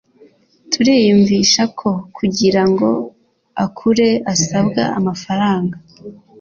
turiyumvisha ko kugira ngo akure asabwa amafaranga